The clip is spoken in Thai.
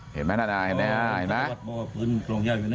เห็นไหมธนาธาร์เห็นไหมฮะฝ่าปืนตรงไย่อยู่หนิ